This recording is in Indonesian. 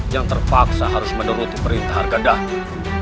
yang terpaksa harus menuruti perintah harga dana